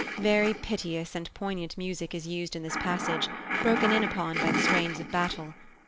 Very piteous and poignant music is used in this passage, broken in upon by the strains of battle.